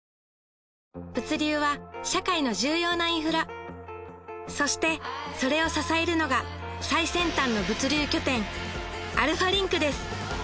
物流は社会の重要なインフラそしてそれを支えるのが最先端の物流拠点アルファリンクです